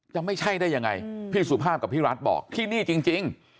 จะไม่ใช่ได้ยังไงพี่สุภาพกับพี่รัฐบอกที่นี่จริง